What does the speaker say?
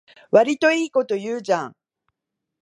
わりといいこと言うじゃん